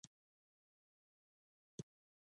آزاد تجارت مهم دی ځکه چې کاربن کموي.